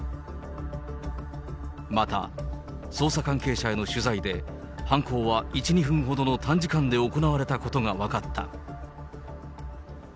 また、捜査関係者への取材で、犯行は１、２分ほどの短時間で行われたことが分かった。